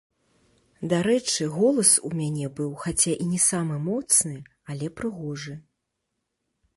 Дарэчы, голас у мяне быў хаця і не самы моцны, але прыгожы.